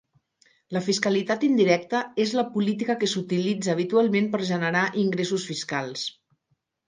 La fiscalitat indirecta és la política que s"utilitza habitualment per generar ingressos fiscals.